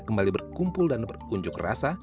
dan kembali berkumpul dan berunjuk rasa